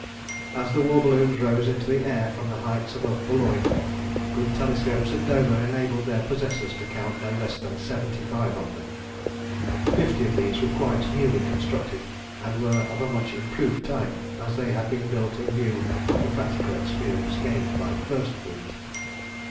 As the war balloons rose into the air from the heights above Boulogne, good telescopes at Dover enabled their possessors to count no less than seventy five of them. Fifty of these were quite newly constructed, and were of a much improved type, as they had been built in view of the practical experience gained by the first fleet.